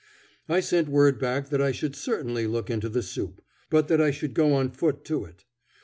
I sent word back that I should certainly look into the soup, but that I should go on foot to it.